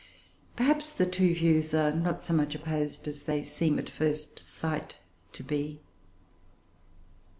Perhaps the two views are not so much opposed as they seem at first sight to be.